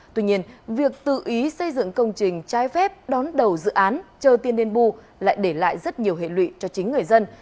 tuy nhiên việc tự ý xây dựng công trình trái phép đón đầu dự án chờ tiền đền bù lại để lại rất nhiều hệ lụy cho chính người dân